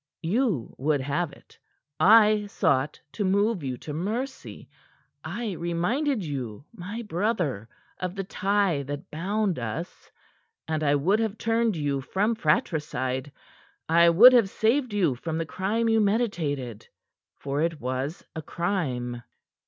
You would have it. I sought to move you to mercy. I reminded you, my brother, of the tie that bound us, and I would have turned you from fratricide, I would have saved you from the crime you meditated for it was a crime."